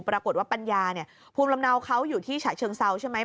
ปรากฏว่าปัญญาเนี่ยภูมิลำเนาเขาอยู่ที่ฉะเชิงเซาใช่ไหม